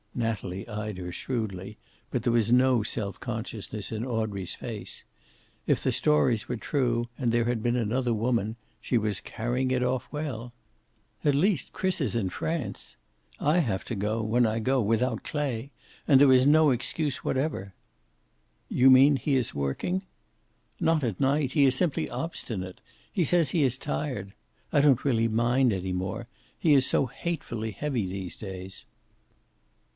Natalie eyed her shrewdly, but there was no self consciousness in Audrey's face. If the stories were true, and there had been another woman, she was carrying it off well. "At least Chris is in France. I have to go, when I go, without Clay. And there is no excuse whatever." "You mean he is working?" "Not at night. He is simply obstinate. He says he is tired. I don't really mind any more. He is so hatefully heavy these days."